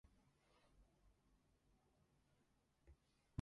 Now penniless Betty and her father move into a small shabby apartment.